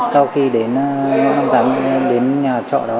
sau khi đến nhà trọ đó